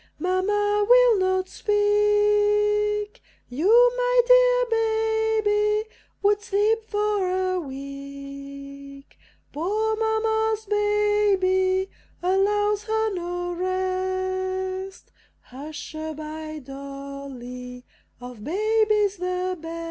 Mamma will not speak; You, my dear baby, would sleep for a week. Poor Mamma's baby allows her no rest, Hush a by, Dolly, of babies the best!